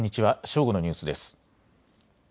正午のニュースです。